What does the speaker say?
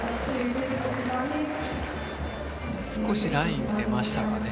少しライン出ましたかね。